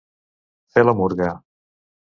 Fer la murga.